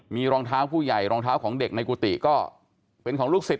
มีรองเท้าผู้ใหญ่รองเท้าของเด็กในกุฏิก็เป็นของลูกศิษย